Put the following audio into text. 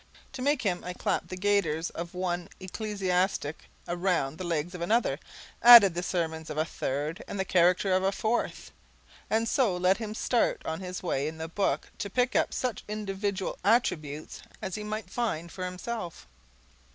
To make him I clapped the gaiters of one ecclesiastic round the legs of another, added the sermons of a third and the character of a fourth, and so let him start on his way in the book to pick up such individual attributes as he might find for himself.